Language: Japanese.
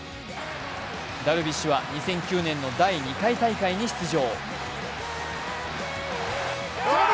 ダルビッシュは２００９年の第２回大会に出場。